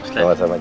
terima kasih pak